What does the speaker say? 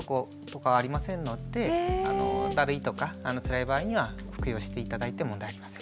だるいとかつらい場合には服用して頂いて問題ありません。